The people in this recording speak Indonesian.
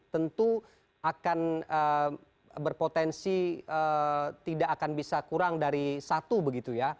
tentu akan berpotensi tidak akan bisa kurang dari satu begitu ya